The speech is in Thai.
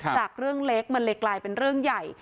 จากเรื่องเล็กมันเลยกลายเป็นเรื่องใหญ่